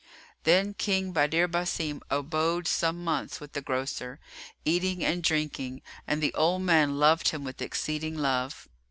Then King Badr Basim abode some months with the grocer, eating and drinking, and the old man loved him with exceeding love.